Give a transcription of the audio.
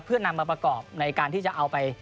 เพื่อนำมาประกอบในการที่จะเอาไป